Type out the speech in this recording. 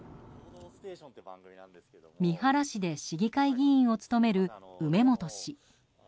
三原市で市議会議員を務める梅本氏。